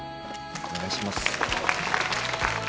お願いします